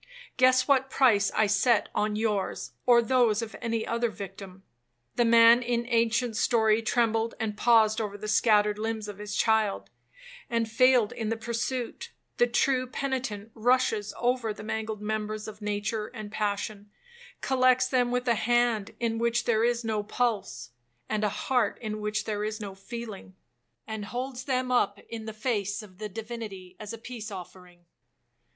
—guess what a price I set on yours, or those of any other victim. The man in ancient story trembled and paused over the scattered limbs of his child, and failed in the pursuit,—the true penitent rushes over the mangled members of nature and passion, collects them with a hand in which there is no pulse, and a heart in which there is no feeling, and holds them up in the face of the Divinity as a peace offering.